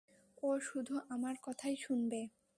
ও শুধু আমার কথাই শুনবে।